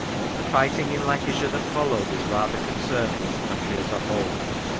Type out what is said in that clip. The fighting in Lancashire that followed is rather concerned with the country as a whole.